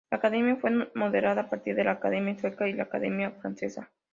La Academia fue modelada a partir de la Academia Sueca y la Academia Francesa.